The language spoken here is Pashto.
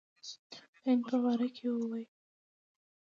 د هند په باره کې وې.